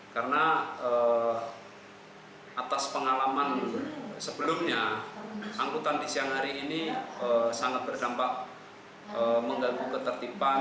karena atas pengalaman sebelumnya angkutan di siang hari ini sangat berdampak mengganggu ketertiban